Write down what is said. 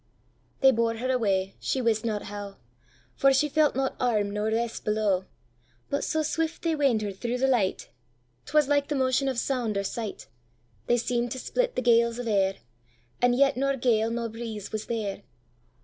'—They bore her away, she wist not how, For she felt not arm nor rest below; But so swift they wain'd her through the light,'Twas like the motion of sound or sight; They seem'd to split the gales of air, And yet nor gale nor breeze was there.